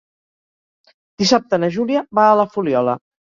Dissabte na Júlia va a la Fuliola.